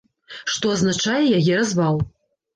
Што азначае яе развал.